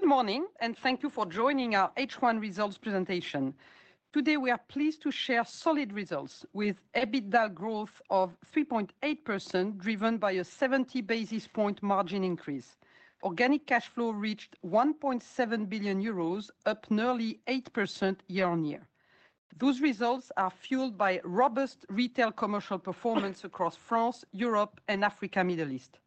Good morning, and thank you for joining our H1 results presentation. Today we are pleased to share solid results, with EBITDA growth of 3.8% driven by a 70 basis point margin increase. Organic cash flow reached 1.7 billion euros, up nearly 8% year-on-year. Those results are fueled by robust retail commercial performance across France, Europe, and Africa Middle East.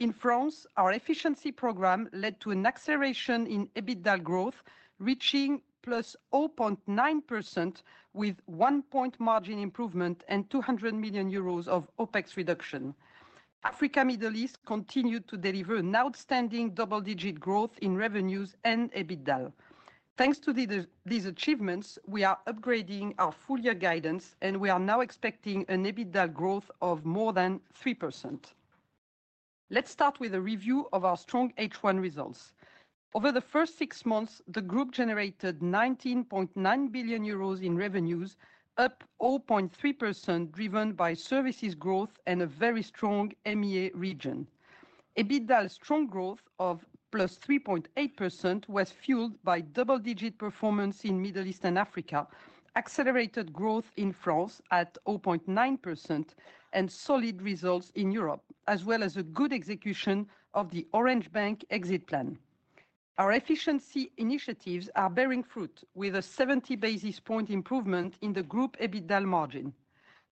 In France, our efficiency program led to an acceleration in EBITDA growth, reaching +0.9% with 1 point margin improvement and 200 million euros of OpEx reduction. Africa Middle East continued to deliver an outstanding double-digit growth in revenues and EBITDA. Thanks to these achievements, we are upgrading our full-year guidance, and we are now expecting an EBITDA growth of more than 3%. Let's start with a review of our strong H1 results. Over the first 6 months, the Group generated 19.9 billion euros in revenues, up 0.3%, driven by services growth and a very strong MEA region. EBITDA's strong growth of +3.8% was fueled by double-digit performance in Middle East and Africa, accelerated growth in France at 0.9%, and solid results in Europe, as well as a good execution of the Orange Bank exit plan. Our efficiency initiatives are bearing fruit, with a 70 basis point improvement in the Group EBITDA margin.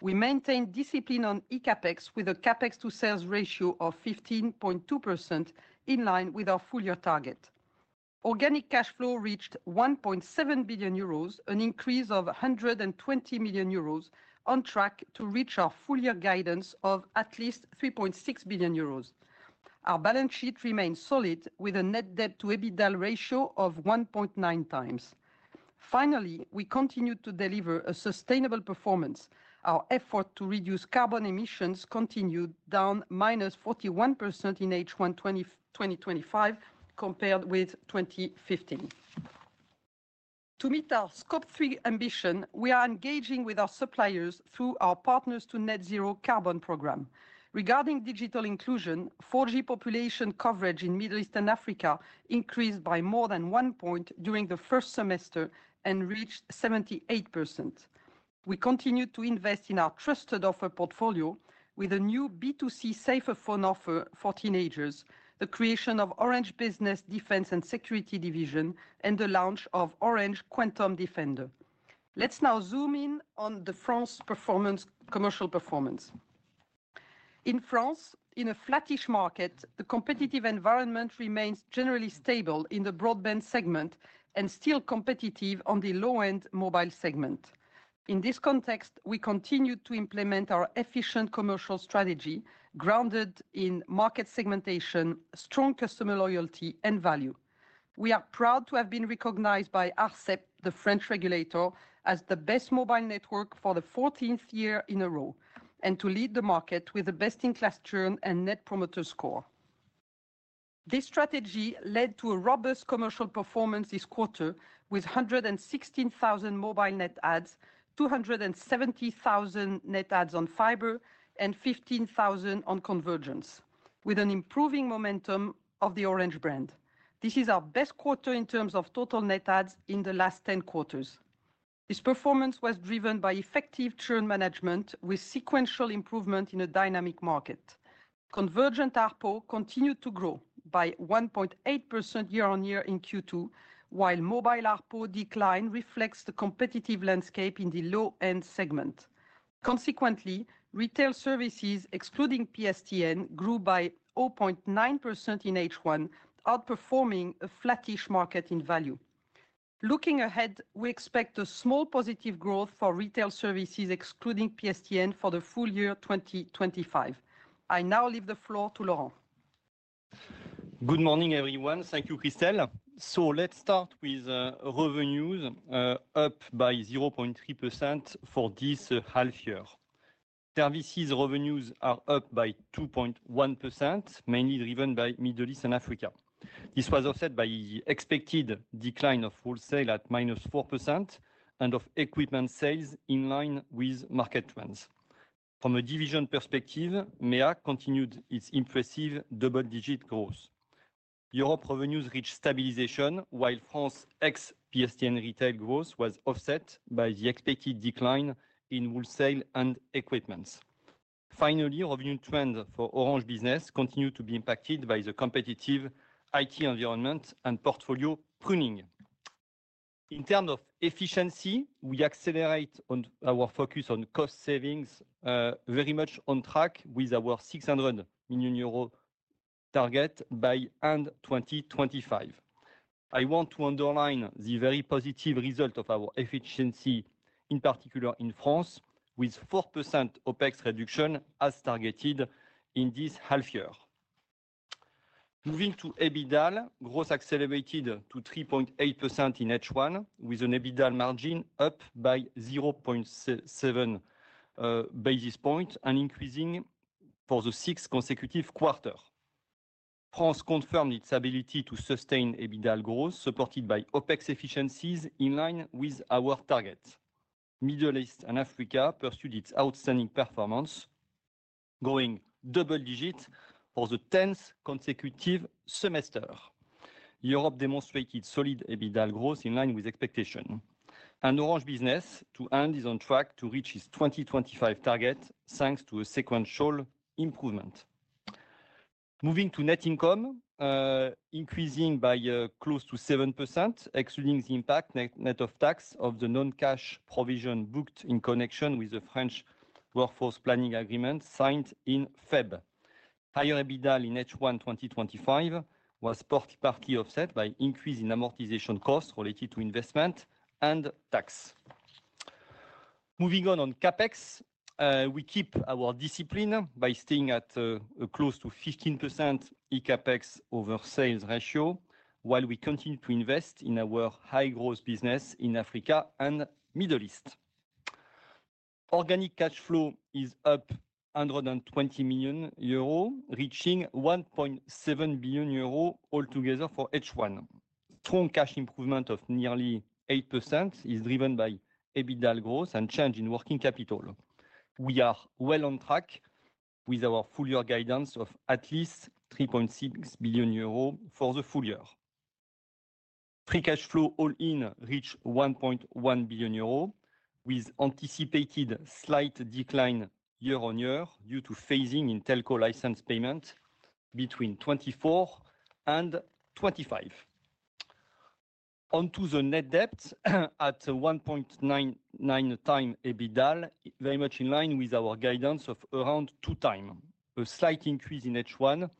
We maintained discipline on eCapEx with a CapEx to Sales ratio of 15.2%, in line with our full-year target. Organic cash flow reached 1.7 billion euros, an increase of 120 million euros, on track to reach our full-year guidance of at least 3.6 billion euros. Our balance sheet remains solid, with a net debt to EBITDA ratio of 1.9x. Finally, we continue to deliver a sustainable performance. Our effort to reduce carbon emissions continued, down -41% in H1 2025 compared with 2015. To meet our Scope 3 ambition, we are engaging with our suppliers through our Partners to Net Zero Carbon program. Regarding digital inclusion, 4G population coverage in Middle East and Africa increased by more than 1 point during the first semester and reached 78%. We continue to invest in our Trusted Offer portfolio, with a new B2C Safer Phone offer for teenagers, the creation of Orange Business Defense and Security Division, and the launch of Orange Quantum Defender. Let's now zoom in on France's commercial performance. In France, in a flattish market, the competitive environment remains generally stable in the broadband segment and still competitive on the low-end mobile segment. In this context, we continue to implement our efficient commercial strategy, grounded in market segmentation, strong customer loyalty, and value. We are proud to have been recognized by Arcep, the French regulator, as the best mobile network for the 14th year in a row, and to lead the market with a Best in Class churn and Net Promoter Score. This strategy led to a robust commercial performance this quarter, with 116,000 mobile net ads, 270,000 net ads on fiber, and 15,000 on convergence, with an improving momentum of the Orange brand. This is our best quarter in terms of total net ads in the last 10 quarters. This performance was driven by effective churn management, with sequential improvement in a dynamic market. Convergent ARPO continued to grow by 1.8% year-on-year in Q2, while mobile ARPO decline reflects the competitive landscape in the low-end segment. Consequently, retail services, excluding PSTN, grew by 0.9% in H1, outperforming a flattish market in value. Looking ahead, we expect a small positive growth for retail services, excluding PSTN, for the full-year 2025. I now leave the floor to Laurent. Good morning, everyone. Thank you, Christel. Let's start with revenues. Up by 0.3% for this half-year. Services revenues are up by 2.1%, mainly driven by Middle East and Africa. This was offset by the expected decline of wholesale at -4% and of equipment sales in line with market trends. From a division perspective, MEA continued its impressive double-digit growth. Europe revenues reached stabilization, while France's ex-PSTN retail growth was offset by the expected decline in wholesale and equipment. Finally, revenue trends for Orange Business continue to be impacted by the competitive IT environment and portfolio pruning. In terms of efficiency, we accelerate our focus on cost savings, very much on track with our 600 million euro target by end 2025. I want to underline the very positive result of our efficiency, in particular in France, with 4% OpEx reduction as targeted in this half-year. Moving to EBITDA, growth accelerated to 3.8% in H1, with an EBITDA margin up by 0.7 basis points and increasing for the sixth consecutive quarter. France confirmed its ability to sustain EBITDA growth, supported by OpEx efficiencies in line with our target. Middle East and Africa pursued its outstanding performance, going double-digit for the tenth consecutive semester. Europe demonstrated solid EBITDA growth in line with expectation. Orange Business, to end, is on track to reach its 2025 target thanks to a sequential improvement. Moving to net income, increasing by close to 7%, excluding the impact net of tax of the non-cash provision booked in connection with the French Workforce Planning Agreement signed in February. Higher EBITDA in H1 2025 was partly offset by an increase in amortization costs related to investment and tax. Moving on on CapEx, we keep our discipline by staying at close to 15% eCapEx over sales ratio, while we continue to invest in our high-growth business in Africa and Middle East. Organic cash flow is up 120 million euro, reaching 1.7 billion euro altogether for H1. Strong cash improvement of nearly 8% is driven by EBITDA growth and change in working capital. We are well on track with our full-year guidance of at least 3.6 billion euro for the full-year. Free cash flow all-in reached 1.1 billion euro, with anticipated slight decline year-on-year due to phasing in Telco license payment between 2024 and 2025. Onto the net debt at 1.99x EBITDA, very much in line with our guidance of around 2x, a slight increase in H1,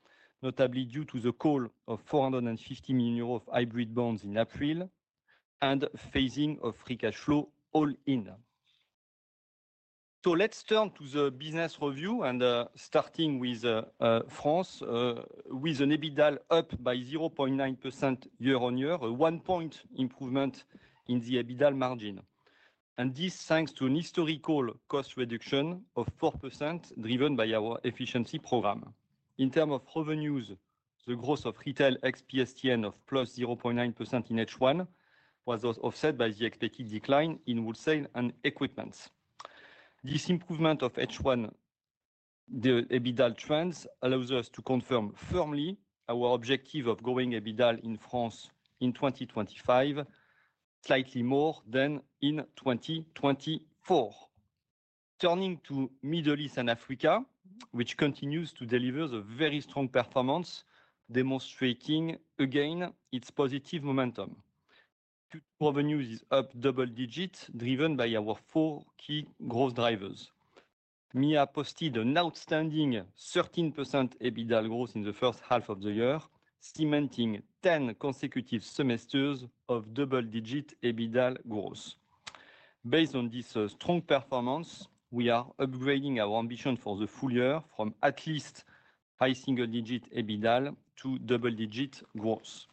notably due to the call of 450 million euros of hybrid bonds in April. And phasing of free cash flow all-in. Let's turn to the business review, starting with France, with an EBITDA up by 0.9% year-on-year, a 1 point improvement in the EBITDA margin. This thanks to a historical cost reduction of 4% driven by our efficiency program. In terms of revenues, the growth of retail ex-PSTN of +0.9% in H1 was offset by the expected decline in wholesale and equipment. This improvement of H1. The EBITDA trends allow us to confirm firmly our objective of growing EBITDA in France in 2025, slightly more than in 2024. Turning to Middle East and Africa, which continues to deliver a very strong performance, demonstrating again its positive momentum. Revenues are up double-digit, driven by our 4 key growth drivers. MEA posted an outstanding 13% EBITDA growth in the first half of the year, cementing 10 consecutive semesters of double-digit EBITDA growth. Based on this strong performance, we are upgrading our ambition for the full-year from at least high single-digit EBITDA to double-digit growth.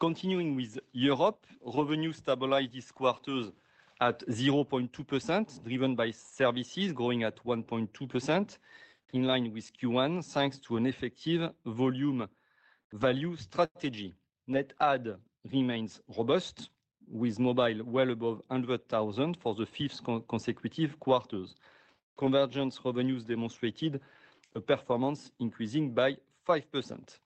Continuing with Europe, revenues stabilized this quarter at 0.2%, driven by services growing at 1.2%. In line with Q1, thanks to an effective volume value strategy. Net ads remain robust, with mobile well above 100,000 for the fifth consecutive quarter. Convergence revenues demonstrated a performance increasing by 5%.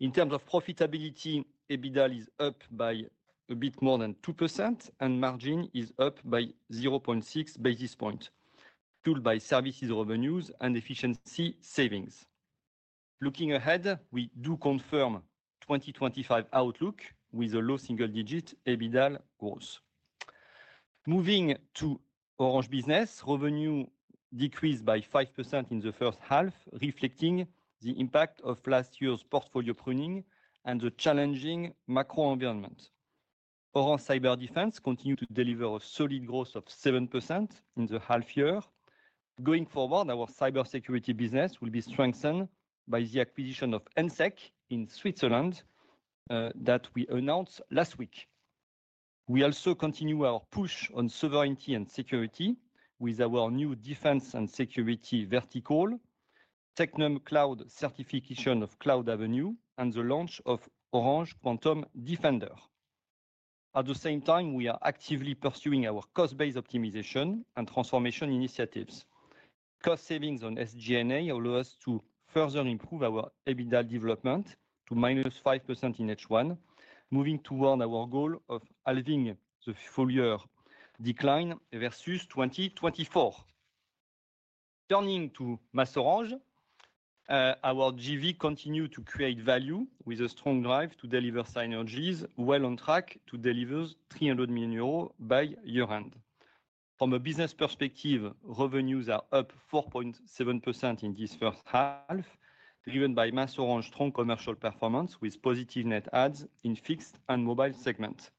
In terms of profitability, EBITDA is up by a bit more than 2%, and margin is up by 0.6 basis points, fueled by services revenues and efficiency savings. Looking ahead, we do confirm a 2025 outlook with a low single-digit EBITDA growth. Moving to Orange Business, revenue decreased by 5% in the first half, reflecting the impact of last year's portfolio pruning and the challenging macro environment. Orange Cyber Defense continued to deliver a solid growth of 7% in the half-year. Going forward, our cybersecurity business will be strengthened by the acquisition of ensec in Switzerland that we announced last week. We also continue our push on sovereignty and security with our new Defense and Security [First call], Techno Cloud certification of Cloud Avenue, and the launch of Orange Quantum Defender. At the same time, we are actively pursuing our cost-based optimization and transformation initiatives. Cost savings on SG&A allow us to further improve our EBITDA development to -5% in H1, moving toward our goal of halving the full-year decline versus 2024. Turning to MasOrange, our JV continues to create value with a strong drive to deliver synergies, well on track to deliver 300 million euros by year-end. From a business perspective, revenues are up 4.7% in this first half, driven by MasOrange's strong commercial performance with positive net ads in fixed and mobile segments.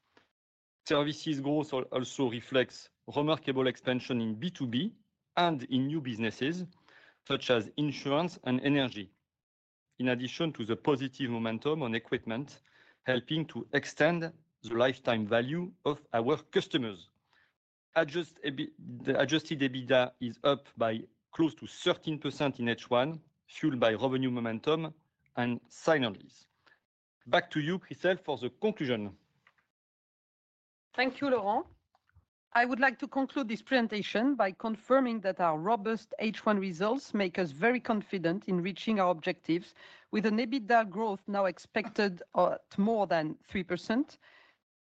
Services growth also reflects remarkable expansion in B2B and in new businesses such as insurance and energy. In addition to the positive momentum on equipment, helping to extend the lifetime value of our customers. Adjusted EBITDA is up by close to 13% in H1, fueled by revenue momentum and synergies. Back to you, Christel, for the conclusion. Thank you, Laurent. I would like to conclude this presentation by confirming that our robust H1 results make us very confident in reaching our objectives, with an EBITDA growth now expected to more than 3%.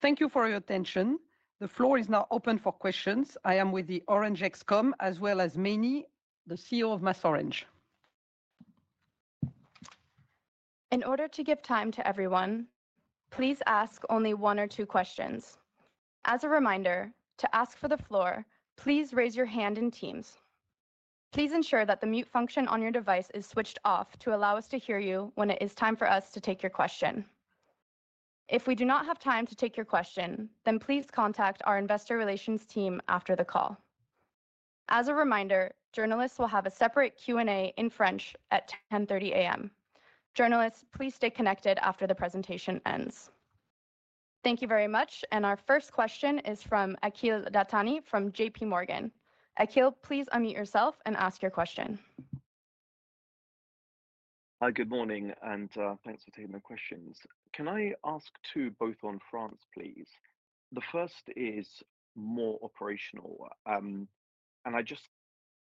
Thank you for your attention. The floor is now open for questions. I am with the Orange ExCom, as well as Meini, the CEO of MasOrange. In order to give time to everyone, please ask only one or two questions. As a reminder, to ask for the floor, please raise your hand in Teams. Please ensure that the mute function on your device is switched off to allow us to hear you when it is time for us to take your question. If we do not have time to take your question, then please contact our investor relations team after the call. As a reminder, journalists will have a separate Q&A in French at 10:30 A.M. Journalists, please stay connected after the presentation ends. Thank you very much. Our first question is from Akhil Datani from JPMorgan. Akhil, please unmute yourself and ask your question. Hi, good morning, and thanks for taking the questions. Can I ask two both on France, please? The first is more operational. I just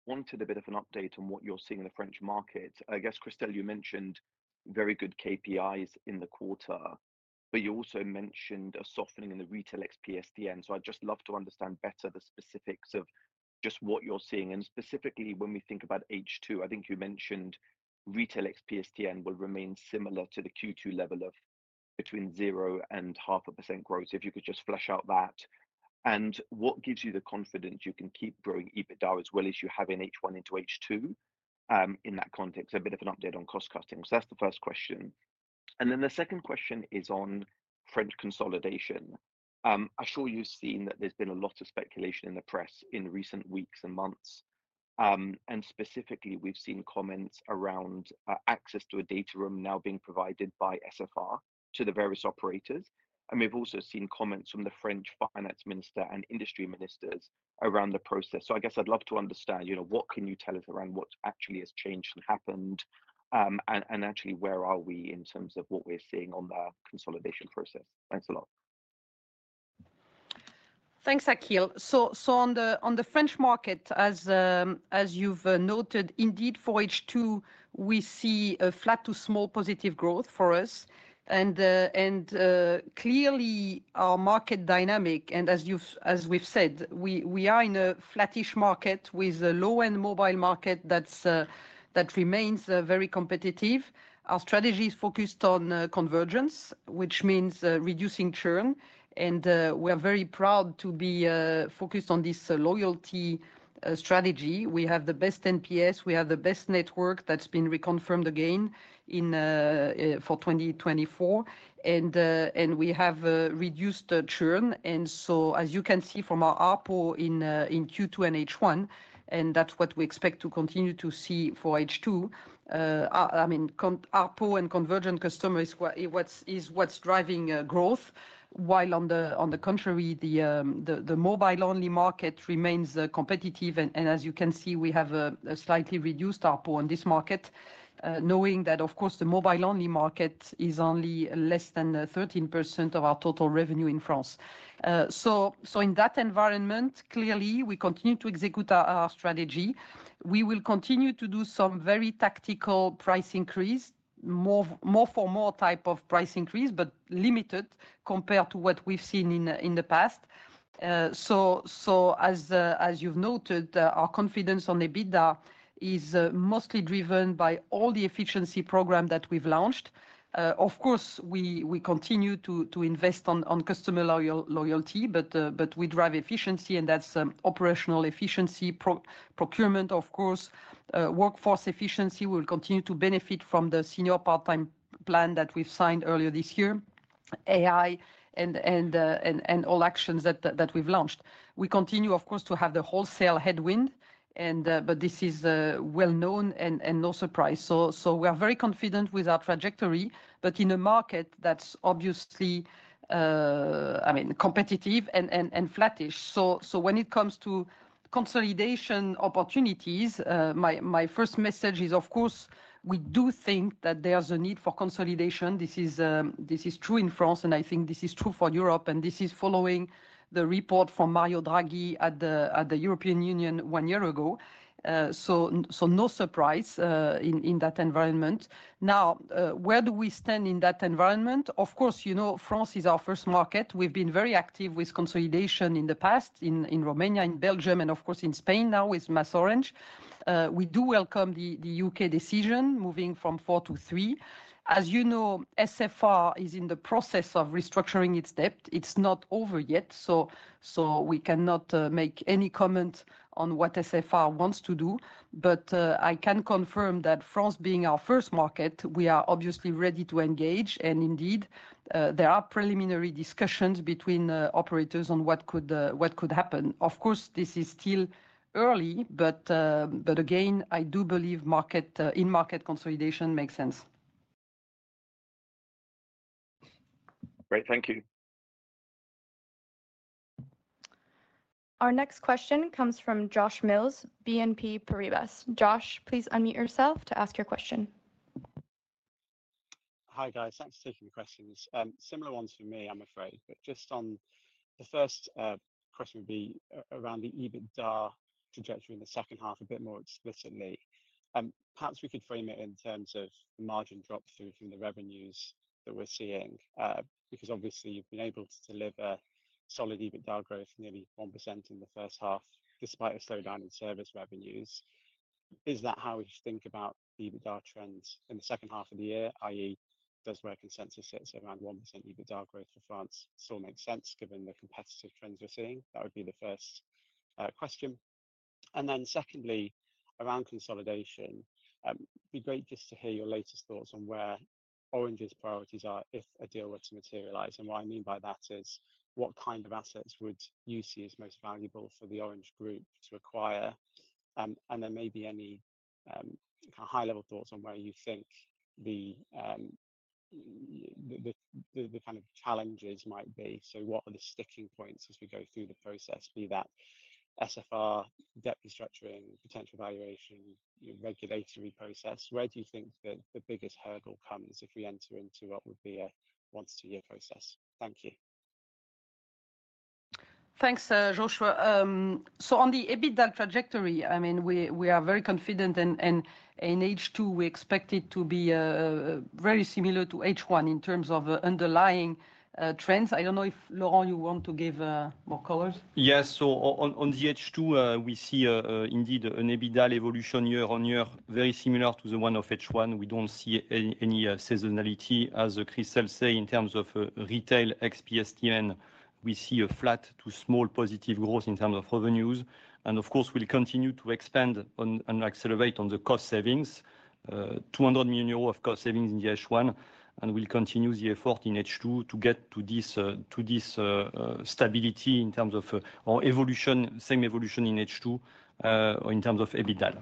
wanted a bit of an update on what you're seeing in the French market. I guess, Christel, you mentioned very good KPIs in the quarter, but you also mentioned a softening in the retail ex-PSTN. I'd just love to understand better the specifics of just what you're seeing. Specifically, when we think about H2, I think you mentioned retail ex-PSTN will remain similar to the Q2 level of between 0% and 0.5% of the same quarter, if you could just flesh out that. What gives you the confidence you can keep growing EBITDA as well as you have in H1 into H2? In that context, a bit of an update on cost-cutting? That's the first question. The second question is on French consolidation. I'm sure you've seen that there's been a lot of speculation in the press in recent weeks and months. Specifically, we've seen comments around access to a data room now being provided by SFR to the various operators. We've also seen comments from the French finance minister and industry ministers around the process. I guess I'd love to understand, what can you tell us around what actually has changed and happened? Where are we in terms of what we're seeing on the consolidation process? Thanks a lot. Thanks, Akhil. On the French market, as you've noted, indeed, for H2, we see a flat to small positive growth for us. Clearly, our market dynamic, and as we've said, we are in a flattish market with a low-end mobile market that remains very competitive. Our strategy is focused on convergence, which means reducing churn. We are very proud to be focused on this loyalty strategy. We have the best NPS. We have the best network that's been reconfirmed again for 2024. We have reduced that churn. As you can see from our ARPO in Q2 and H1, that's what we expect to continue to see for H2. I mean, ARPO and convergent customers is what's driving growth, while on the contrary, the mobile-only market remains competitive. As you can see, we have a slightly reduced ARPO on this market. Knowing that, of course, the mobile-only market is only less than 13% of our total revenue in France. In that environment, clearly, we continue to execute our strategy. We will continue to do some very tactical price increase, more for more type of price increase, but limited compared to what we've seen in the past. As you've noted, our confidence on EBITDA is mostly driven by all the efficiency programs that we've launched. Of course, we continue to invest on customer loyalty, but we drive efficiency, and that's operational efficiency, procurement, of course, workforce efficiency. We will continue to benefit from the senior part-time plan that we've signed earlier this year, AI, and all actions that we've launched. We continue, of course, to have the wholesale headwind, but this is well-known and no surprise. We are very confident with our trajectory, but in a market that's obviously, I mean, competitive and flattish. When it comes to consolidation opportunities, my first message is, of course, we do think that there's a need for consolidation. This is true in France, and I think this is true for Europe. This is following the report from Mario Draghi at the European Union one year ago. No surprise in that environment. Now, where do we stand in that environment? Of course, you know France is our first market. We've been very active with consolidation in the past in Romania, in Belgium, and of course, in Spain now with MasOrange. We do welcome the U.K. decision moving from 4% to 3%. As you know, SFR is in the process of restructuring its debt. It's not over yet. We cannot make any comment on what SFR wants to do. I can confirm that France, being our first market, we are obviously ready to engage. Indeed, there are preliminary discussions between operators on what could happen. Of course, this is still early, but again, I do believe in-market consolidation makes sense. Great. Thank you. Our next question comes from Josh Mills, BNP Paribas. Josh, please unmute yourself to ask your question. Hi, guys. Thanks for taking the questions. Similar ones for me, I'm afraid. Just on the first question, it would be around the EBITDA trajectory in the second half, a bit more explicitly. Perhaps we could frame it in terms of margin drop through some of the revenues that we're seeing, because obviously, you've been able to deliver solid EBITDA growth, nearly 1% in the first half, despite a slowdown in service revenues. Is that how we should think about EBITDA trends in the second half of the year, i.e., does where consensus sits around 1% EBITDA growth for France still make sense given the competitive trends we're seeing? That would be the first question. Secondly, around consolidation. It would be great just to hear your latest thoughts on where Orange's priorities are if a deal were to materialize. What I mean by that is, what assets would you see as most valuable for the Orange group to acquire? Are there any high-level thoughts on where you think the challenges might be? What are the sticking points as we go through the process, be that SFR, debt restructuring, potential valuation, regulatory process? Where do you think that the biggest hurdle comes if we enter into what would be a one to two-year process? Thank you. Thanks, Joshua. On the EBITDA trajectory, I mean, we are very confident. In H2, we expect it to be very similar to H1 in terms of underlying trends. I do not know if Laurent, you want to give more colors? Yes. On the H2, we see indeed an EBITDA evolution year-on-year, very similar to the one of H1. We do not see any seasonality, as Christel said, in terms of retail ex-PSTN. We see a flat to small positive growth in terms of revenues. Of course, we will continue to expand and accelerate on the cost savings, 200 million euros of cost savings in the H1. We will continue the effort in H2 to get to this stability in terms of evolution, same evolution in H2. In terms of EBITDA.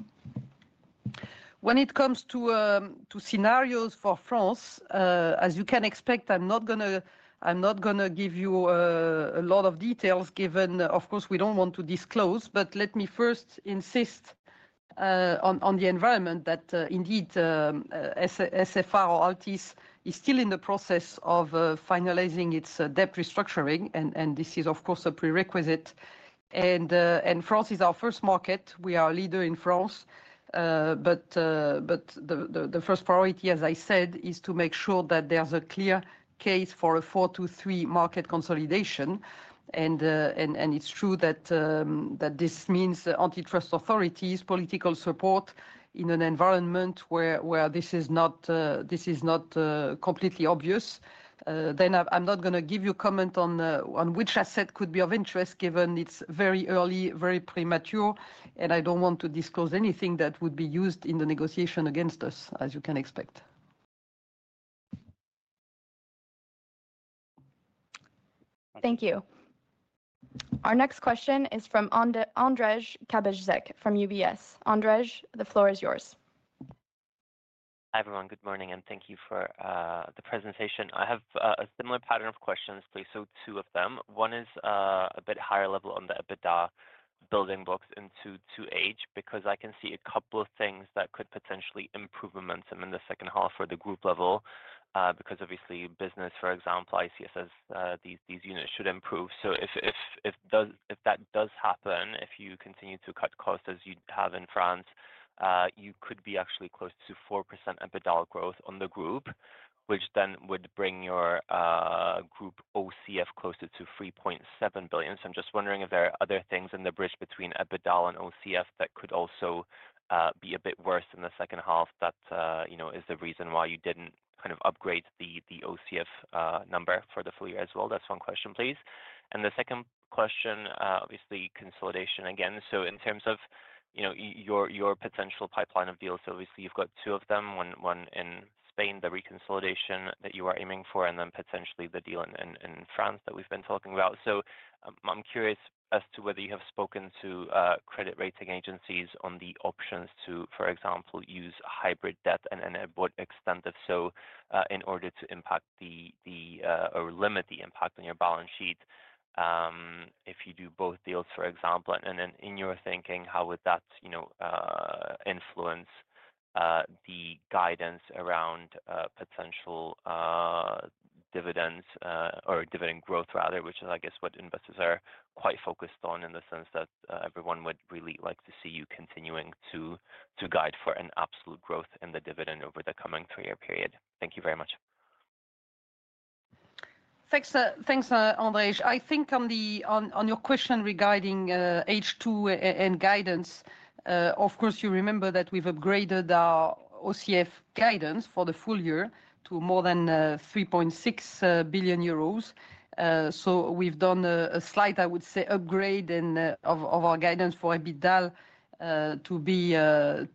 When it comes to scenarios for France, as you can expect, I'm not going to give you a lot of details given, of course, we don't want to disclose. Let me first insist on the environment that indeed SFR or Altice is still in the process of finalizing its debt restructuring. This is, of course, a prerequisite. France is our first market. We are a leader in France. The first priority, as I said, is to make sure that there's a clear case for a 4% to 3% market consolidation. It is true that this means antitrust authorities, political support in an environment where this is not completely obvious. I'm not going to give you a comment on which asset could be of interest, given it's very early, very premature. I don't want to disclose anything that would be used in the negotiation against us, as you can expect. Thank you. Our next question is from [Andrzej Kabeczek] from UBS. Andrzej, the floor is yours. Hi everyone. Good morning. Thank you for the presentation. I have a similar pattern of questions, please. Two of them. One is a bit higher level on the EBITDA building blocks into H2, because I can see a couple of things that could potentially improve momentum in the second half for the group level, because obviously, business, for example, ICSS, these units should improve. If that does happen, if you continue to cut costs as you have in France, you could be actually close to 4% EBITDA growth on the group, which then would bring your group OCF closer to 3.7 billion. I am just wondering if there are other things in the bridge between EBITDA and OCF that could also be a bit worse in the second half that is the reason why you did not upgrade the OCF number for the full year as well. That is one question, please. The second question, obviously, consolidation again. In terms of your potential pipeline of deals, obviously, you have got two of them, one in Spain, the reconsolidation that you are aiming for, and then potentially the deal in France that we have been talking about. I am curious as to whether you have spoken to credit rating agencies on the options to, for example, use hybrid debt and to what extent, if so, in order to impact the, or limit the impact on your balance sheet if you do both deals, for example. In your thinking, how would that influence the guidance around potential dividends or dividend growth, rather, which is, I guess, what investors are quite focused on in the sense that everyone would really like to see you continuing to guide for an absolute growth in the dividend over the coming three-year period. Thank you very much. Thanks, [Andrzej]. I think on your question regarding H2 and guidance, of course, you remember that we've upgraded our OCF guidance for the full year to more than 3.6 billion euros. We've done a slight, I would say, upgrade of our guidance for EBITDA to be more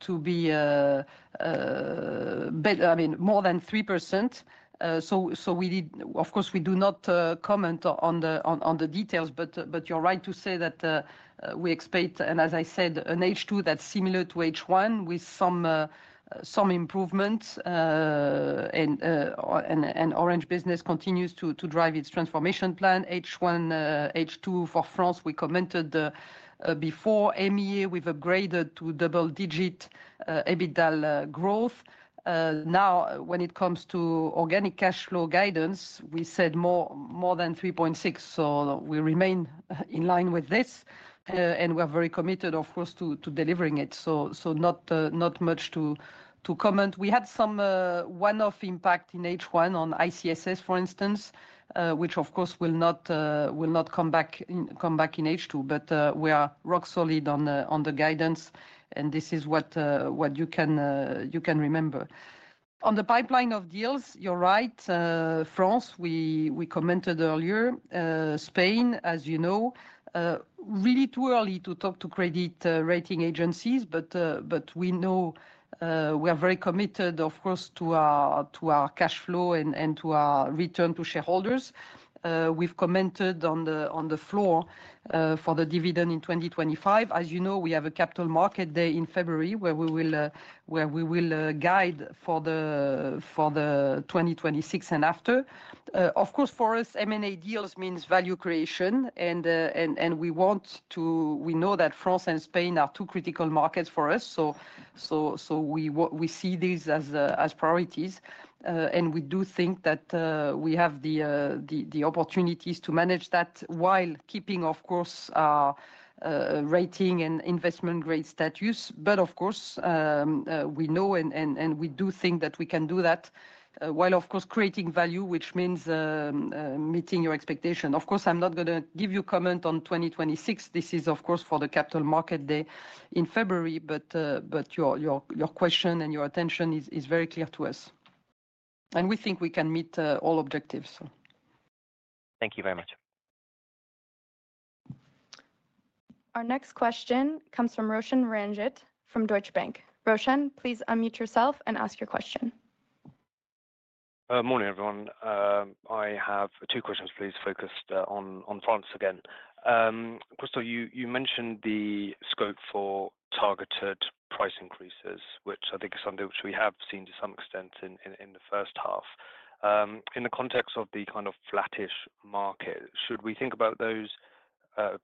than 3%. Of course, we do not comment on the details, but you're right to say that we expect, and as I said, an H2 that's similar to H1 with some improvements. Orange Business continues to drive its transformation plan. H1, H2 for France, we commented before. MEA, we've upgraded to double-digit EBITDA growth. Now, when it comes to organic cash flow guidance, we said more than 3.6 billion. We remain in line with this, and we're very committed, of course, to delivering it. Not much to comment. We had some one-off impact in H1 on ICSS, for instance, which, of course, will not come back in H2. We are rock solid on the guidance, and this is what you can remember. On the pipeline of deals, you're right. France, we commented earlier. Spain, as you know, really too early to talk to credit rating agencies. We know we're very committed, of course, to our cash flow and to our return to shareholders. We've commented on the floor for the dividend in 2025. As you know, we have a capital markets day in February where we will guide for the 2026 and after. For us, M&A deals means value creation, and we know that France and Spain are two critical markets for us. We see these as priorities, and we do think that we have the opportunities to manage that while keeping, of course, rating and investment-grade status. We know and we do think that we can do that while, of course, creating value, which means meeting your expectation. Of course, I'm not going to give you a comment on 2026. This is, of course, for the capital markets day in February. Your question and your attention is very clear to us, and we think we can meet all objectives. Thank you very much. Our next question comes from Roshan Ranjit from Deutsche Bank. Roshan, please unmute yourself and ask your question. Morning, everyone. I have two questions, please, focused on France again. Christel, you mentioned the scope for targeted price increases, which I think is something which we have seen to some extent in the first half. In the context of the flattish market, should we think about those?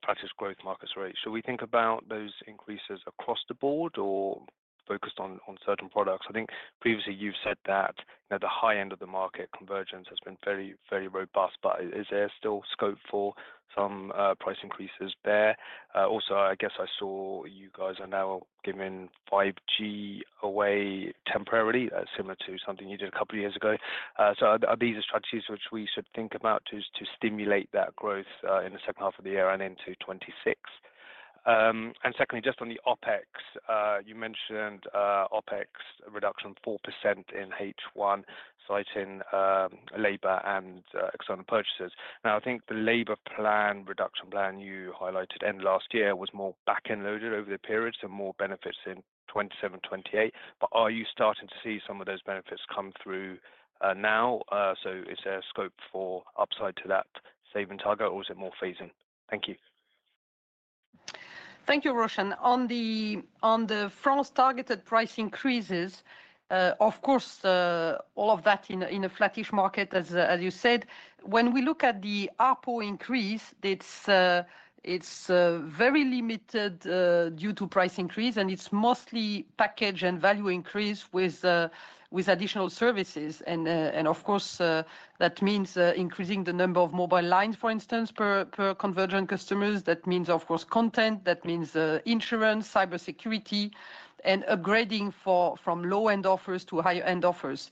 Flattish growth markets? Should we think about those increases across the board or focused on certain products? I think previously you've said that the high end of the market convergence has been very, very robust, but is there still scope for some price increases there? Also, I guess I saw you guys are now giving 5G away temporarily, similar to something you did a couple of years ago. Are these the strategies which we should think about to stimulate that growth in the second half of the year and into 2026? Secondly, just on the OpEx, you mentioned OpEx reduction of 4% in H1, citing labor and external purchases. Now, I think the labor reduction plan you highlighted end last year was more back and loaded over the period, so more benefits in 2027, 2028. Are you starting to see some of those benefits come through now? Is there scope for upside to that saving target, or is it more phasing? Thank you. Thank you, Roshan. On the France targeted price increases. Of course, all of that in a flattish market, as you said. When we look at the ARPO increase, it is very limited due to price increase, and it is mostly package and value increase with additional services. Of course, that means increasing the number of mobile lines, for instance, per convergent customers. That means, of course, content. That means insurance, cybersecurity, and upgrading from low-end offers to higher-end offers.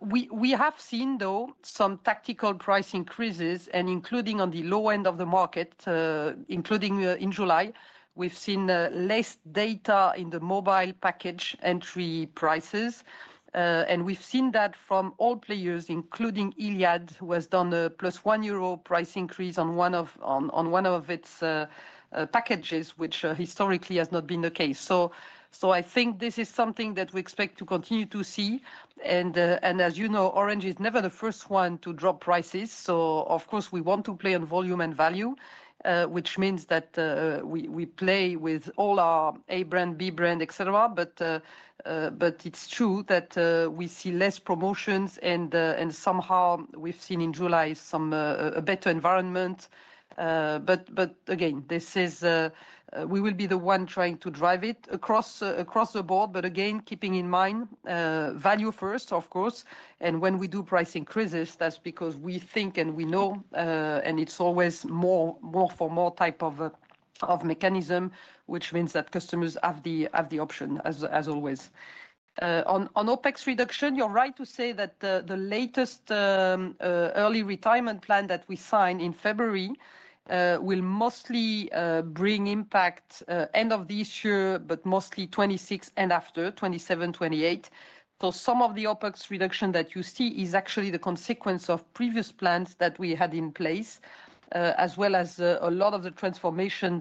We have seen, though, some tactical price increases, including on the low-end of the market. Including in July, we have seen less data in the mobile package entry prices. We have seen that from all players, including Iliad, who has done a plus 1 euro price increase on one of its packages, which historically has not been the case. I think this is something that we expect to continue to see. As you know, Orange is never the first one to drop prices. Of course, we want to play on volume and value, which means that we play with all our A-brand, B-brand, etc. It is true that we see less promotions, and somehow we have seen in July a better environment. Again, we will be the one trying to drive it across the board. Again, keeping in mind value first, of course. When we do price increases, that is because we think and we know, and it is always more for more type of mechanism, which means that customers have the option, as always. On OpEx reduction, you are right to say that the latest early retirement plan that we signed in February will mostly bring impact end of this year, but mostly 2026 and after, 2027, 2028. Some of the OpEx reduction that you see is actually the consequence of previous plans that we had in place, as well as a lot of the transformation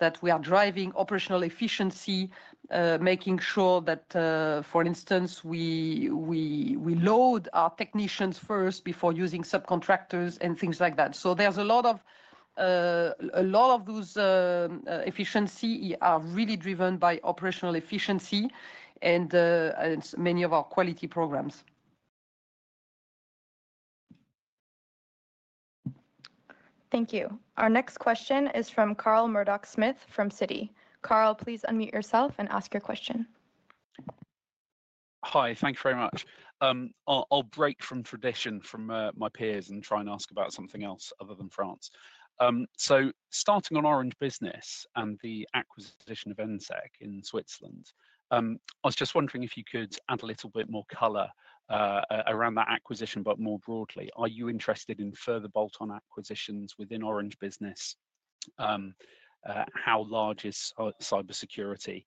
that we are driving, operational efficiency, making sure that, for instance, we load our technicians first before using subcontractors and things like that. There is a lot of those efficiencies are really driven by operational efficiency and many of our quality programs. Thank you. Our next question is from Carl Murdock-Smith from Citi. Carl, please unmute yourself and ask your question. Hi, thank you very much. I'll break from tradition, from my peers, and try and ask about something else other than France. Starting on Orange Business and the acquisition of ensec in Switzerland. I was just wondering if you could add a little bit more color around that acquisition, but more broadly. Are you interested in further bolt-on acquisitions within Orange Business? How large is cybersecurity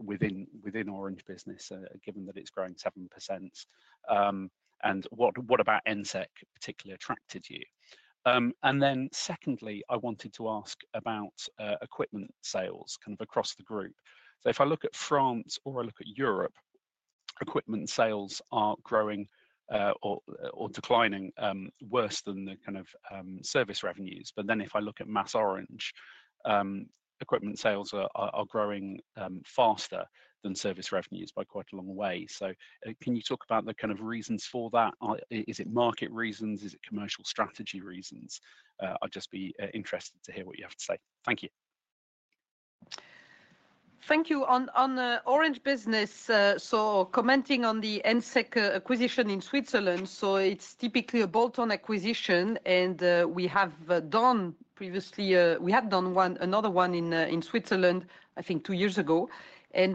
within Orange Business, given that it's growing 7%? What about ensec particularly attracted you? Secondly, I wanted to ask about equipment sales across the group. If I look at France or I look at Europe, equipment sales are growing or declining worse than the service revenues. If I look at MasOrange, equipment sales are growing faster than service revenues by quite a long way. Can you talk about the reasons for that? Is it market reasons? Is it commercial strategy reasons? I'd just be interested to hear what you have to say. Thank you. Thank you. On Orange Business. Commenting on the ensec acquisition in Switzerland, it is typically a bolt-on acquisition. We have done another one in Switzerland, I think two years ago. We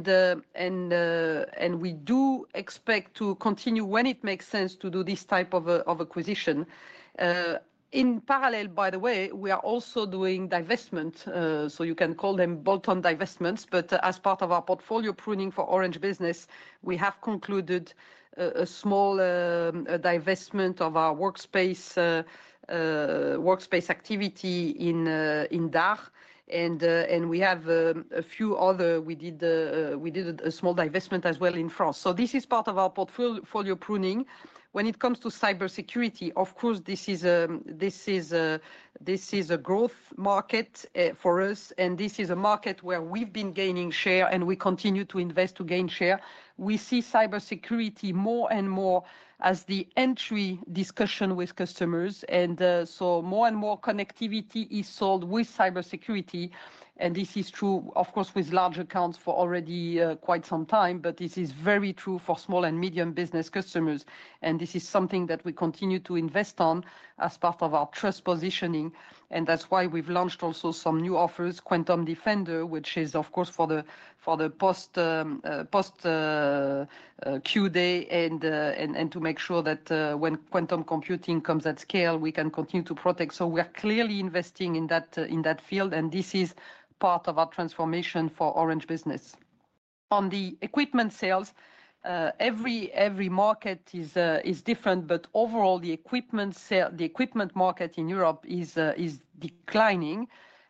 do expect to continue when it makes sense to do this type of acquisition. In parallel, by the way, we are also doing divestments. You can call them Bolt-on divestments. As part of our portfolio pruning for Orange Business, we have concluded a small divestment of our workspace activity in DAR. We have a few others. We did a small divestment as well in France. This is part of our portfolio pruning. When it comes to cybersecurity, of course, this is a growth market for us. This is a market where we have been gaining share and we continue to invest to gain share. We see cybersecurity more and more as the entry discussion with customers. More and more connectivity is sold with cybersecurity. This is true, of course, with large accounts for already quite some time. This is very true for small and medium business customers. This is something that we continue to invest on as part of our trust positioning. That is why we have launched also some new offers, Quantum Defender, which is, of course, for the post-Q day and to make sure that when quantum computing comes at scale, we can continue to protect. We are clearly investing in that field. This is part of our transformation for Orange Business. On the equipment sales, every market is different, but overall, the equipment market in Europe is declining.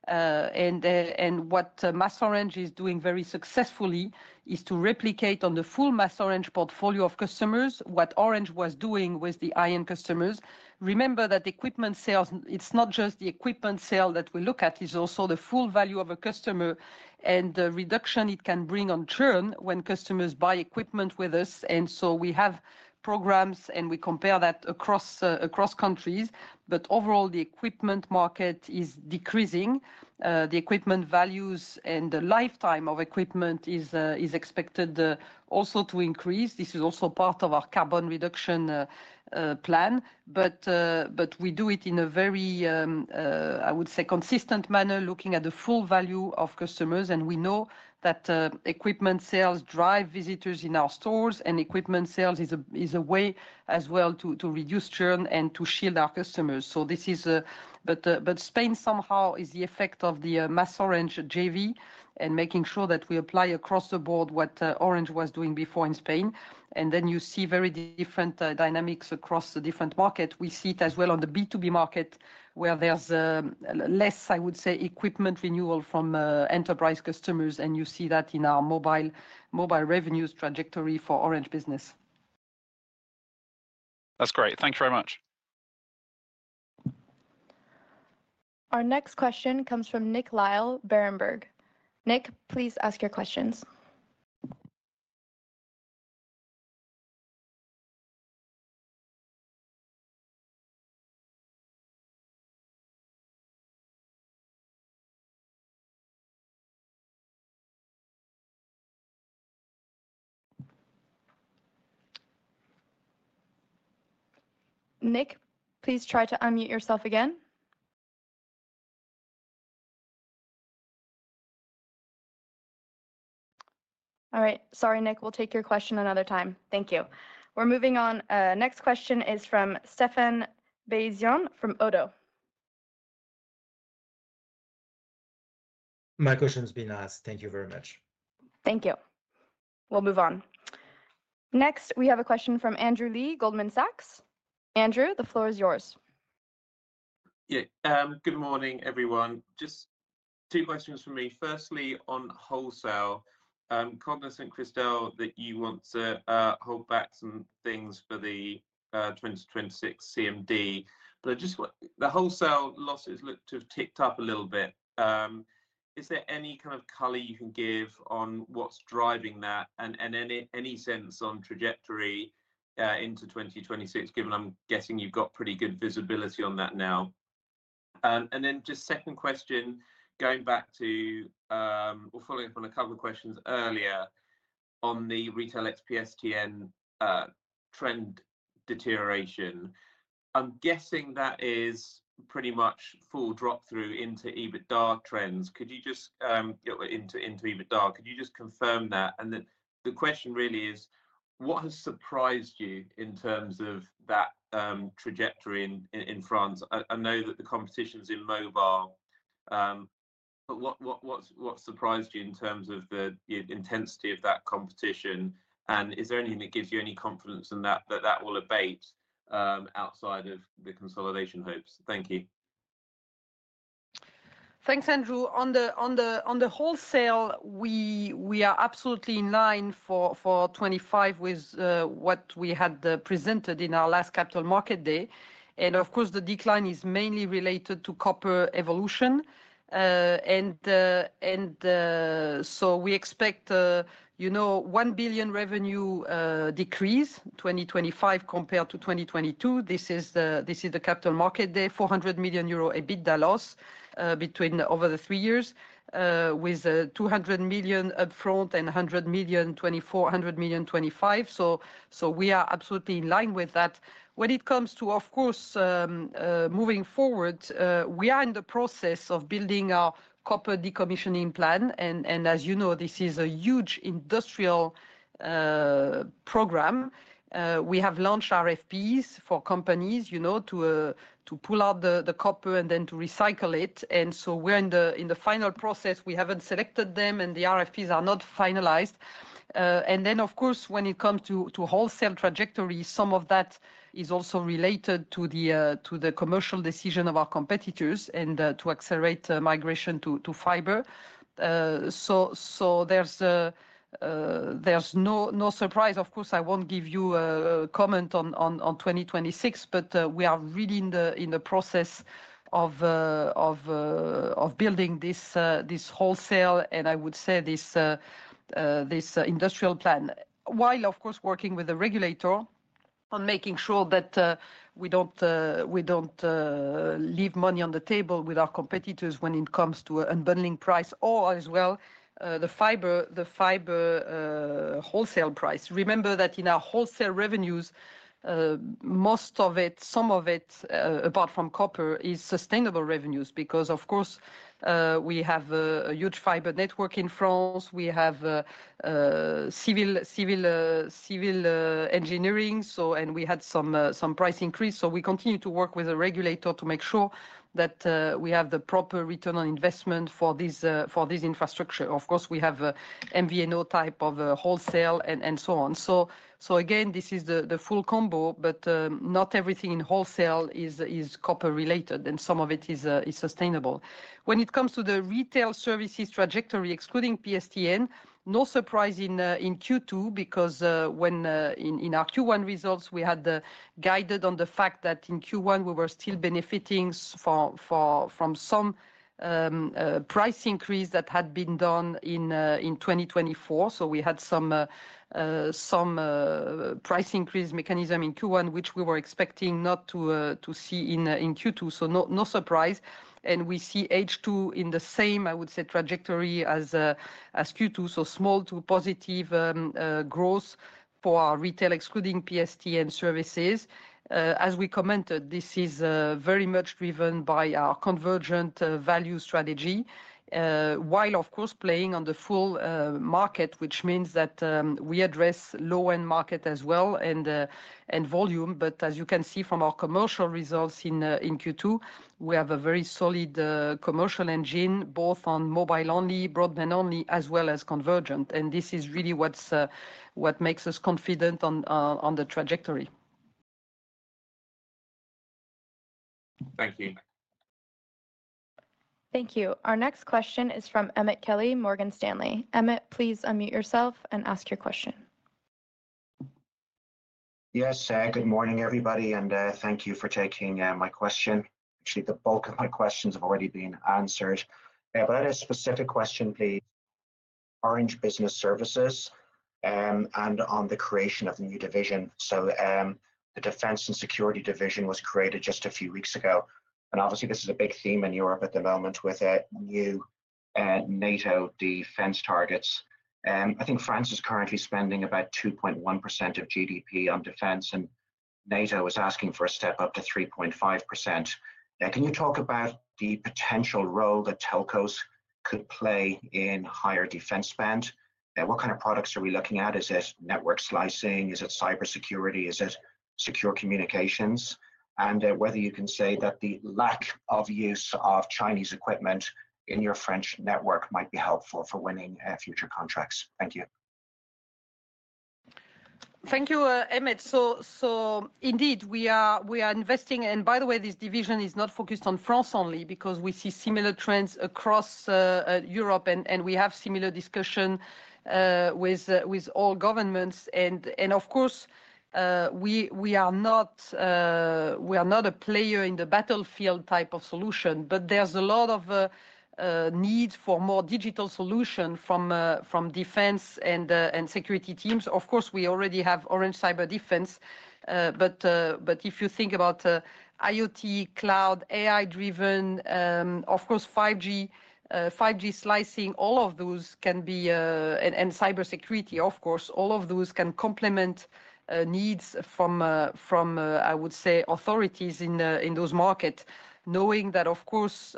What MasOrange is doing very successfully is to replicate on the full MasOrange portfolio of customers what Orange was doing with the Ion customers. Remember that equipment sales, it is not just the equipment sale that we look at, it is also the full value of a customer and the reduction it can bring on churn when customers buy equipment with us. We have programs and we compare that across countries. Overall, the equipment market is decreasing. The equipment values and the lifetime of equipment is expected also to increase. This is also part of our carbon reduction plan. We do it in a very, I would say, consistent manner, looking at the full value of customers. We know that equipment sales drive visitors in our stores. Equipment sales is a way as well to reduce churn and to shield our customers. This is-- Spain somehow is the effect of the MasOrange JV and making sure that we apply across the board what Orange was doing before in Spain. You see very different dynamics across the different markets. We see it as well on the B2B market where there's less, I would say, equipment renewal from enterprise customers. You see that in our mobile. Revenues trajectory for Orange Business. That's great. Thank you very much. Our next question comes from Nick Lyle at Berenberg. Nick, please ask your questions. Nick, please try to unmute yourself again. All right. Sorry, Nick, we'll take your question another time. Thank you. We're moving on. Next question is from Stephan Beyazian from ODDO BHF. My question has been asked. Thank you very much. Thank you. We'll move on. Next, we have a question from Andrew Lee, Goldman Sachs. Andrew, the floor is yours. Yeah. Good morning, everyone. Just two questions for me. Firstly, on wholesale. Cognizant, Christel, that you want to hold back some things for the 2026 CMD. But the wholesale losses look to have ticked up a little bit. Is there any color you can give on what's driving that and any sense on trajectory into 2026, given I'm guessing you've got pretty good visibility on that now? Just second question, going back to or following up on a couple of questions earlier on the retail ex-PSTN trend deterioration. I'm guessing that is pretty much full drop-through into EBITDA trends. Could you just confirm that? The question really is, what has surprised you in terms of that trajectory in France? I know that the competition is immobile. What surprised you in terms of the intensity of that competition? Is there anything that gives you any confidence that that will abate outside of the consolidation hopes? Thank you. Thanks, Andrew. On the wholesale, we are absolutely in line for 2025 with what we had presented in our last capital markets day. Of course, the decline is mainly related to copper evolution. We expect 1 billion revenue decrease in 2025 compared to 2022. This is the capital markets day, 400 million euro EBITDA loss over the three years, with 200 million upfront and 100 million in 2024, 100 million in 2025. We are absolutely in line with that. When it comes to, of course, moving forward, we are in the process of building our copper decommissioning plan. As you know, this is a huge industrial program. We have launched RFPs for companies to pull out the copper and then to recycle it. We are in the final process. We have not selected them, and the RFPs are not finalized. When it comes to wholesale trajectory, some of that is also related to the commercial decision of our competitors and to accelerate migration to fiber. There is no surprise. Of course, I won't give you a comment on 2026, but we are really in the process of building this wholesale and I would say this industrial plan, while, of course, working with the regulator on making sure that we do not leave money on the table with our competitors when it comes to unbundling price or as well the fiber wholesale price. Remember that in our wholesale revenues, most of it, some of it, apart from copper, is sustainable revenues because, of course, we have a huge fiber network in France. We have civil engineering, and we had some price increase. We continue to work with the regulator to make sure that we have the proper return on investment for this infrastructure. Of course, we have MVNO type of wholesale and so on. This is the full combo, but not everything in wholesale is copper related, and some of it is sustainable. When it comes to the retail services trajectory, excluding PSTN, no surprise in Q2 because in our Q1 results, we had guided on the fact that in Q1, we were still benefiting from some price increase that had been done in 2024. We had some price increase mechanism in Q1, which we were expecting not to see in Q2. No surprise. We see H2 in the same, I would say, trajectory as Q2. Small to positive growth for our retail, excluding PSTN services. As we commented, this is very much driven by our convergent value strategy, while, of course, playing on the full market, which means that we address low-end market as well and volume. As you can see from our commercial results in Q2, we have a very solid commercial engine, both on mobile only, broadband only, as well as convergent. This is really what makes us confident on the trajectory. Thank you. Thank you. Our next question is from Emmett Kelly, Morgan Stanley. Emmett, please unmute yourself and ask your question. Yes, good morning, everybody. Thank you for taking my question. Actually, the bulk of my questions have already been answered. I had a specific question, please. Orange Business Services and on the creation of the new division. The Defense and Security Division was created just a few weeks ago. Obviously, this is a big theme in Europe at the moment with new NATO defense targets. I think France is currently spending about 2.1% of GDP on defense, and NATO is asking for a step up to 3.5%. Can you talk about the potential role that telcos could play in higher defense spend? What kind of products are we looking at? Is it network slicing? Is it cybersecurity? Is it secure communications? Whether you can say that the lack of use of Chinese equipment in your French network might be helpful for winning future contracts. Thank you. Thank you, Emmett. Indeed, we are investing. By the way, this division is not focused on France only because we see similar trends across Europe, and we have similar discussions with all governments. Of course, we are not a player in the battlefield type of solution, but there is a lot of need for more digital solutions from defense and security teams. Of course, we already have Orange Cyber Defense. If you think about IoT, cloud, AI-driven, of course, 5G slicing, all of those can be, and cybersecurity, of course, all of those can complement needs from, I would say, authorities in those markets, knowing that, of course,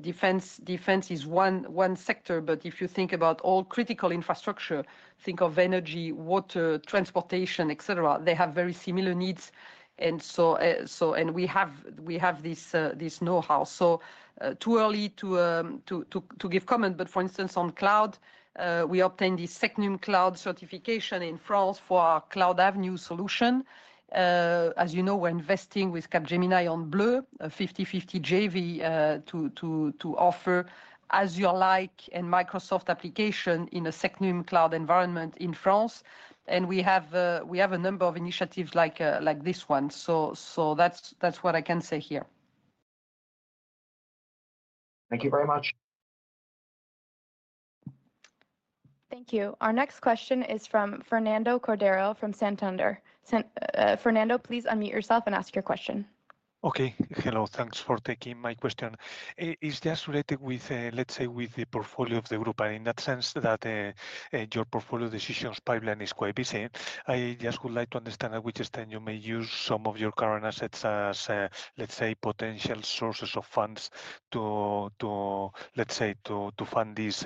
defense is one sector. If you think about all critical infrastructure, think of energy, water, transportation, etc., they have very similar needs. We have this know-how. It is too early to give comment. For instance, on cloud, we obtained the SecNumCloud certification in France for our Cloud Avenue solution. As you know, we are investing with Capgemini on Bleu, a 50/50 JV to offer Azure-like and Microsoft applications in a SecNumCloud environment in France. We have a number of initiatives like this one. That is what I can say here. Thank you very much. Thank you. Our next question is from Fernando Cordero from Santander. Fernando, please unmute yourself and ask your question. Okay. Hello. Thanks for taking my question. It's just related, let's say, with the portfolio of the group. In that sense, your portfolio decisions pipeline is quite busy. I just would like to understand at which stage you may use some of your current assets as, let's say, potential sources of funds to, let's say, to fund these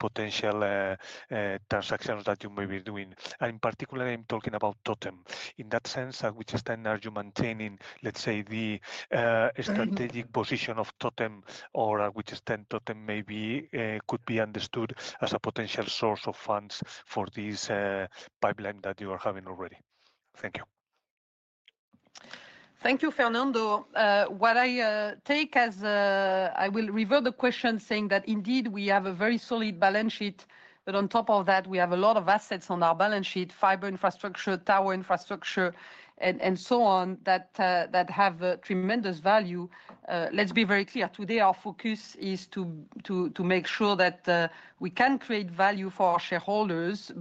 potential transactions that you may be doing. In particular, I'm talking about Totem. In that sense, at which stage are you maintaining, let's say, the strategic position of Totem, or at which stage Totem could be understood as a potential source of funds for this pipeline that you are having already? Thank you. Thank you, Fernando. What I take as I will revert the question saying that indeed we have a very solid balance sheet, but on top of that, we have a lot of assets on our balance sheet, fiber infrastructure, tower infrastructure, and so on that have tremendous value. Let's be very clear. Today, our focus is to make sure that we can create value for our shareholders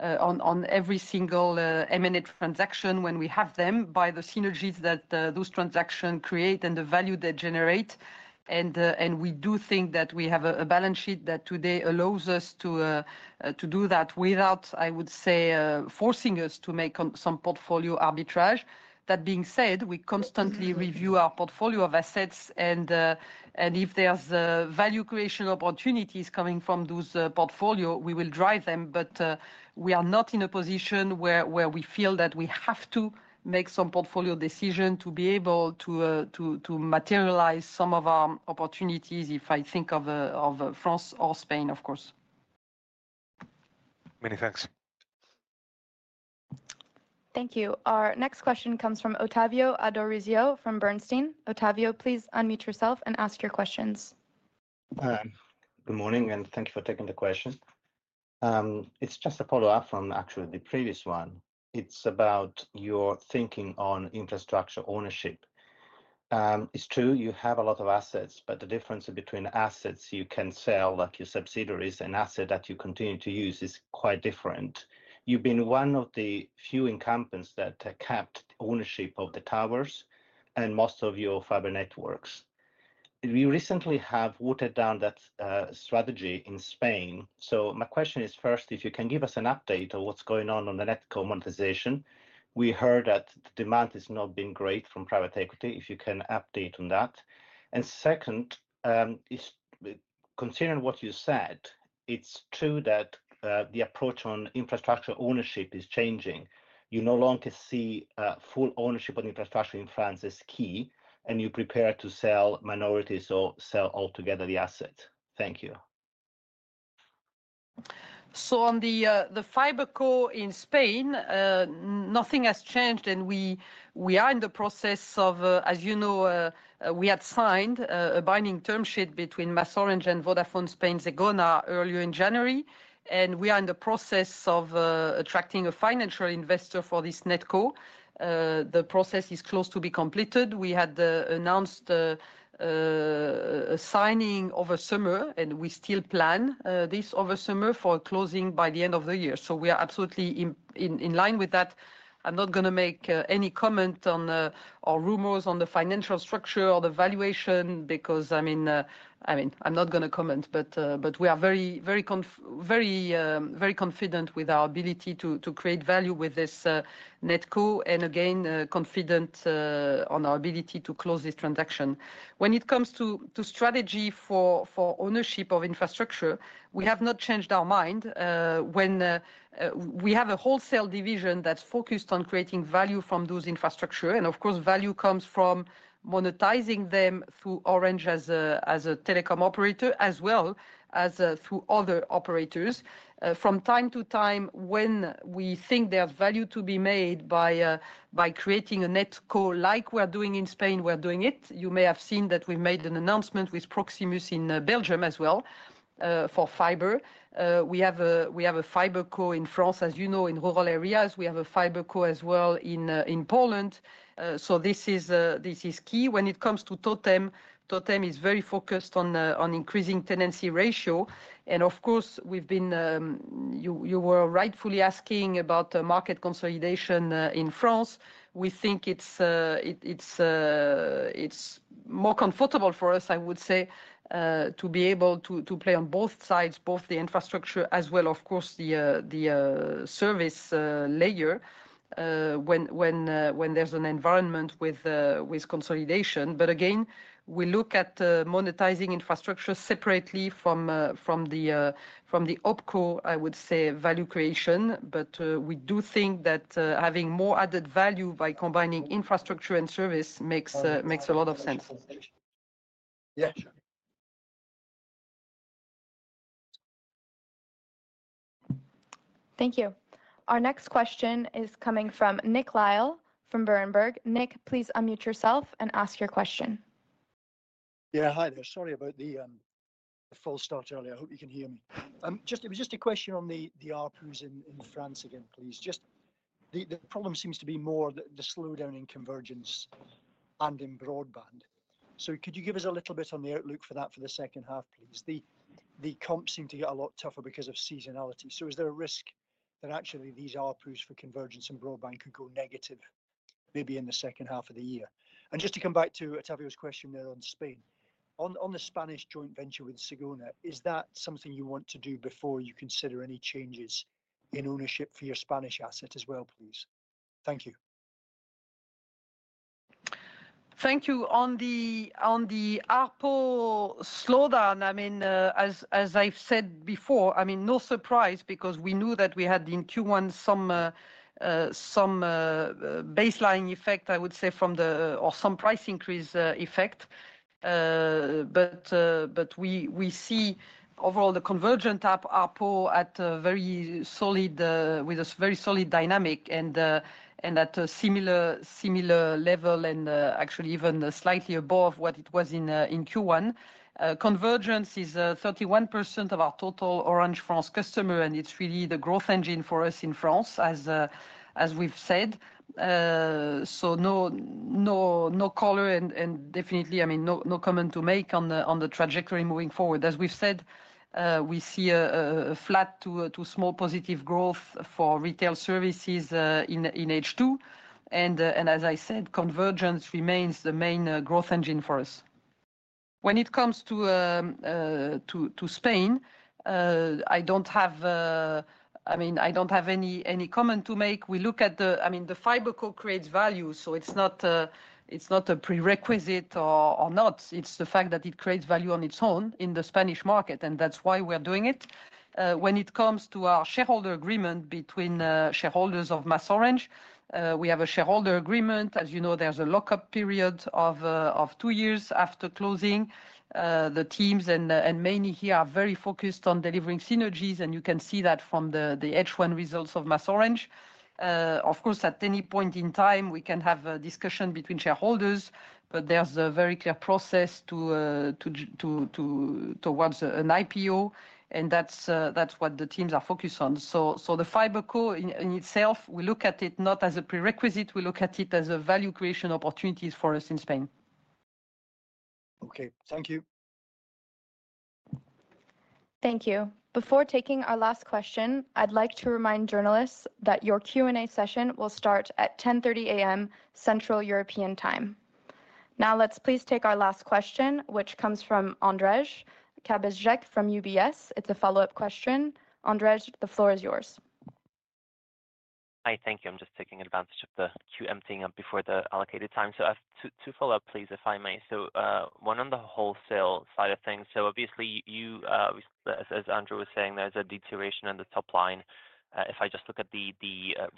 on every single M&A transaction when we have them, by the synergies that those transactions create and the value they generate. We do think that we have a balance sheet that today allows us to do that without, I would say, forcing us to make some portfolio arbitrage. That being said, we constantly review our portfolio of assets. If there's value creation opportunities coming from those portfolios, we will drive them, but we are not in a position where we feel that we have to make some portfolio decision to be able to materialize some of our opportunities if I think of France or Spain, of course. Many thanks. Thank you. Our next question comes from Ottavio Adorisio from Bernstein. Ottavio, please unmute yourself and ask your questions. Good morning, and thank you for taking the question. It's just a follow-up from actually the previous one. It's about your thinking on infrastructure ownership. It's true, you have a lot of assets, but the difference between assets you can sell, like your subsidiaries, and assets that you continue to use is quite different. You've been one of the few incumbents that kept ownership of the towers and most of your fiber networks. We recently have watered down that strategy in Spain. My question is first, if you can give us an update on what's going on on the NetCo monetization. We heard that the demand has not been great from private equity. If you can update on that. Second, considering what you said, it's true that the approach on infrastructure ownership is changing. You no longer see full ownership on infrastructure in France as key, and you prepare to sell minorities or sell altogether the assets. Thank you. On the FiberCo in Spain, nothing has changed, and we are in the process of, as you know, we had signed a binding term sheet between MasOrange and Vodafone Spain Zegona earlier in January. We are in the process of attracting a financial investor for this NetCo. The process is close to being completed. We had announced signing over summer, and we still plan this over summer for closing by the end of the year. We are absolutely in line with that. I'm not going to make any comment on rumors on the financial structure or the valuation because, I mean, I'm not going to comment, but we are very confident with our ability to create value with this NetCo. Again, confident on our ability to close this transaction. When it comes to strategy for ownership of infrastructure, we have not changed our mind. We have a wholesale division that's focused on creating value from those infrastructures. Of course, value comes from monetizing them through Orange as a telecom operator, as well as through other operators. From time to time, when we think there's value to be made by creating a NetCo, like we're doing in Spain, we're doing it. You may have seen that we've made an announcement with Proximus in Belgium as well for fiber. We have a FiberCo in France, as you know, in rural areas. We have a FiberCo as well in Poland. This is key. When it comes to Totem, Totem is very focused on increasing tenancy ratio. You were rightfully asking about market consolidation in France. We think it's more comfortable for us, I would say, to be able to play on both sides, both the infrastructure as well, of course, the service layer, when there's an environment with consolidation. Again, we look at monetizing infrastructure separately from the OpCo, I would say, value creation. We do think that having more added value by combining infrastructure and service makes a lot of sense. Yeah. Sure. Thank you. Our next question is coming from Nick Lyall from Berenberg. Nick, please unmute yourself and ask your question. Yeah, hi there. Sorry about the false start earlier. I hope you can hear me. It was just a question on the ARPO's in France again, please. Just, the problem seems to be more the slowdown in convergence and in broadband. Could you give us a little bit on the outlook for that for the second half, please? The comps seem to get a lot tougher because of seasonality. Is there a risk that actually these ARPO's for convergence and broadband could go negative maybe in the second half of the year? Just to come back to Ottavio's question there on Spain, on the Spanish joint venture with Zegona, is that something you want to do before you consider any changes in ownership for your Spanish asset as well, please? Thank you. Thank you. On the ARPO slowdown, I mean, as I've said before, I mean, no surprise because we knew that we had in Q1 some baseline effect, I would say, from the or some price increase effect. But we see overall the convergent ARPO at a very solid dynamic and at a similar level and actually even slightly above what it was in Q1. Convergence is 31% of our total Orange France customer, and it's really the growth engine for us in France, as we've said. So no color and definitely, I mean, no comment to make on the trajectory moving forward. As we've said, we see a flat to small positive growth for retail services in H2. And as I said, convergence remains the main growth engine for us. When it comes to Spain, I don't have, I mean, I don't have any comment to make. We look at the, I mean, the FiberCo creates value. So it's not a prerequisite or not. It's the fact that it creates value on its own in the Spanish market. And that's why we're doing it. When it comes to our shareholder agreement between shareholders of MasOrange, we have a shareholder agreement. As you know, there's a lockup period of two years after closing. The teams and mainly here are very focused on delivering synergies. And you can see that from the H1 results of MasOrange. Of course, at any point in time, we can have a discussion between shareholders, but there's a very clear process towards an IPO. And that's what the teams are focused on. So the FiberCo in itself, we look at it not as a prerequisite. We look at it as a value creation opportunity for us in Spain. Okay. Thank you. Thank you. Before taking our last question, I'd like to remind journalists that your Q&A session will start at 10:30 A.M. Central European Time. Now, let's please take our last question, which comes from [Andrzej Kabeczek] from UBS. It's a follow-up question. [Andrzej] the floor is yours. Hi, thank you. I'm just taking advantage of the queue emptying up before the allocated time. I have two follow-ups, please, if I may. One on the wholesale side of things. Obviously, as Andrew was saying, there's a deterioration in the top line. If I just look at the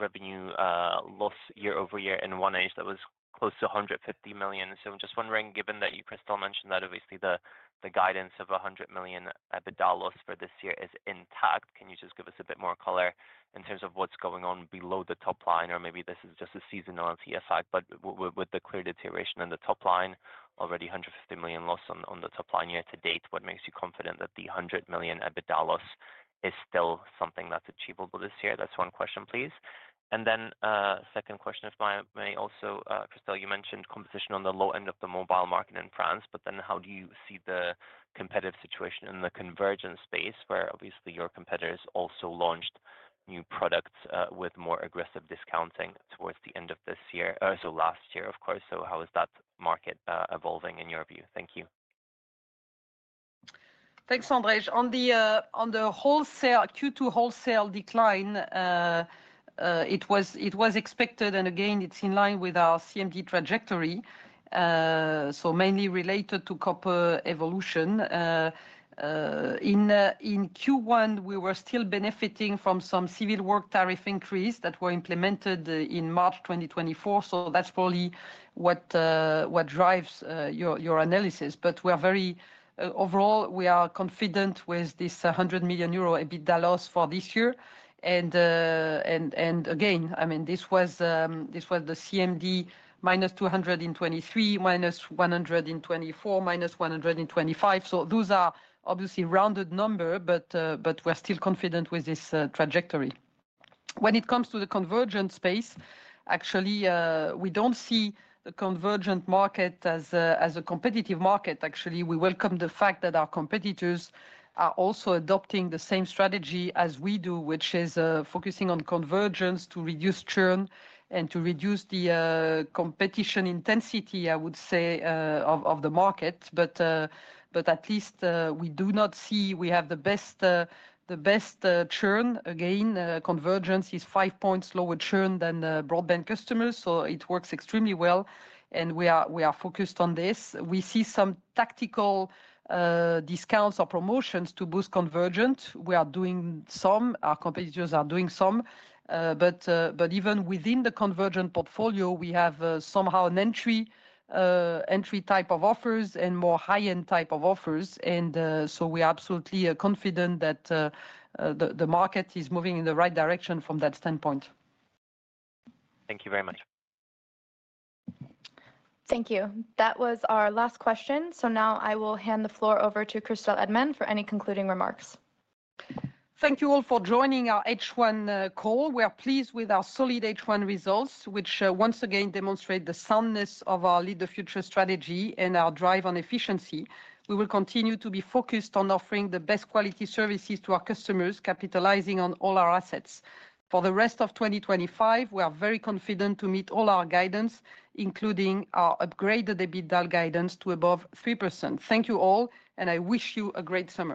revenue loss year-over-year in 1H, that was close to 150 million. I'm just wondering, given that you, Christel, mentioned that obviously the guidance of 100 million EBITDA loss for this year is intact, can you just give us a bit more color in terms of what's going on below the top line? Or maybe this is just a seasonality effect, but with the clear deterioration in the top line, already 150 million loss on the top line year to date, what makes you confident that the 100 million EBITDA loss is still something that's achievable this year? That's one question, please. The second question, if I may also, Christel, you mentioned competition on the low-end of the mobile market in France, but then how do you see the competitive situation in the convergence space where obviously your competitors also launched new products with more aggressive discounting towards the end of this year, so last year, of course? How is that market evolving in your view? Thank you. Thanks, [Andrzej], on the Q2 wholesale decline, it was expected, and again, it is in line with our CMD trajectory. Mainly related to copper evolution. In Q1, we were still benefiting from some civil work tariff increase that were implemented in March 2024. That is probably what drives your analysis. Overall, we are confident with this 100 million euro EBITDA loss for this year. Again, I mean, this was the CMD minus 223, minus 124, minus 125. Those are obviously rounded numbers, but we are still confident with this trajectory. When it comes to the convergent space, actually, we do not see the convergent market as a competitive market. Actually, we welcome the fact that our competitors are also adopting the same strategy as we do, which is focusing on convergence to reduce churn and to reduce the competition intensity, I would say, of the market. At least we do not see we have the best churn. Again, convergence is five points lower churn than broadband customers. It works extremely well, and we are focused on this. We see some tactical discounts or promotions to boost convergence. We are doing some, our competitors are doing some. Even within the convergent portfolio, we have somehow an entry type of offers and more high-end type of offers. We are absolutely confident that the market is moving in the right direction from that standpoint. Thank you very much. Thank you. That was our last question. Now I will hand the floor over to Christel Heydemann for any concluding remarks. Thank you all for joining our H1 call. We are pleased with our solid H1 results, which once again demonstrate the soundness of our Lead the Future strategy and our drive on efficiency. We will continue to be focused on offering the best quality services to our customers, capitalizing on all our assets. For the rest of 2025, we are very confident to meet all our guidance, including our upgraded EBITDA guidance to above 3%. Thank you all, and I wish you a great summer.